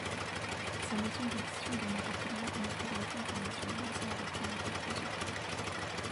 Sa maison d'édition gagne rapidement une notoriété internationale au sein de la communauté philosophique.